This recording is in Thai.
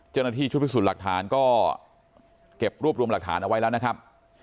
เจ้าหน้าที่ชุดพิสูจน์หลักฐานก็เก็บรวบรวมหลักฐานเอาไว้แล้วนะครับ